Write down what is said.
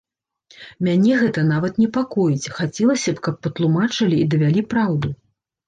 Мяне гэта нават непакоіць, хацелася б, каб патлумачылі і давялі праўду.